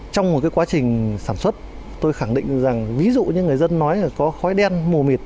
trong một cái quá trình sản xuất tôi khẳng định rằng ví dụ như người dân nói là có khói đen mù mịt